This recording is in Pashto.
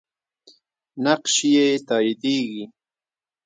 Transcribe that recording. نقش یې تاییدیږي.